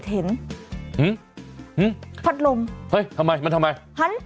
เฮ้ย